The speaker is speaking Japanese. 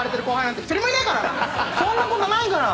そんなことないから。